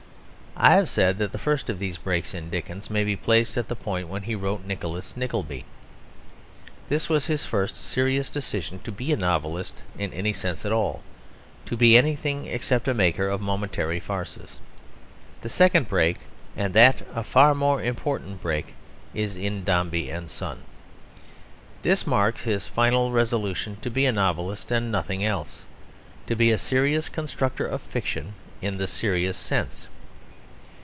I have said that the first of these breaks in Dickens may be placed at the point when he wrote Nicholas Nickleby. This was his first serious decision to be a novelist in any sense at all, to be anything except a maker of momentary farces. The second break, and that a far more important break, is in Dombey and Son. This marks his final resolution to be a novelist and nothing else, to be a serious constructor of fiction in the serious sense.